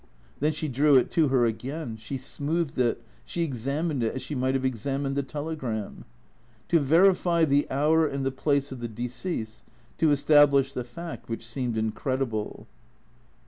Then she drew it to her again ; she smoothed it; she examined it, as she might have examined the telegram, to verify the hour and the place of the decease, to establish the fact which seemed incredible.